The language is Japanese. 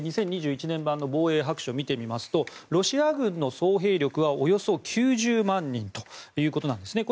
２０２１年版の防衛白書を見てみますとロシア軍の総兵力はおよそ９０万人ということです。